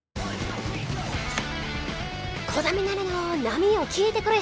『鼓田ミナレの波よ聞いてくれ』。